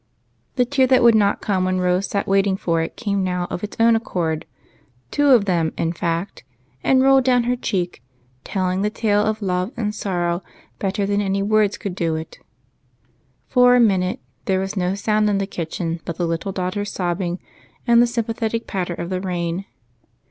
The tear that would not come when Rose sat wait ing for it came now of its own accord, — two of them in fact, — and rolled down her cheeks, telling the tale of love and sorrow better than any words could do it. TWO GIRLS. 7 For a minute there was no sound in the kitchen but the little daughter's sobbing and the sympathetic pat ter of the rain.